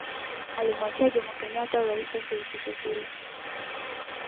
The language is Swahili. Alimwachia Jomo Kenyatta urais wa Shirikisho hilo